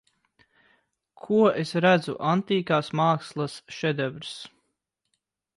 Ko es redzu Antīkās mākslas šedevrs.